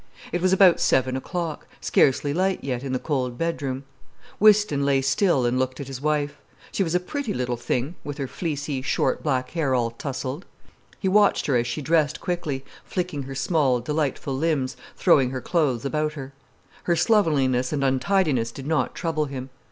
It was about seven o'clock, scarcely light yet in the cold bedroom. Whiston lay still and looked at his wife. She was a pretty little thing, with her fleecy, short black hair all tousled. He watched her as she dressed quickly, flicking her small, delightful limbs, throwing her clothes about her. Her slovenliness and untidiness did not trouble him.